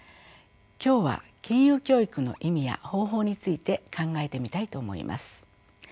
今日は金融教育の意味や方法について考えてみたいと思います。